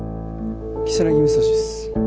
如月武蔵っす。